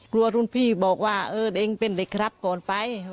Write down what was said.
รุ่นพี่บอกว่าเออเด็กเป็นเด็กครับก่อนไป